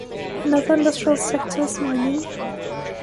Another industrial sector is mining.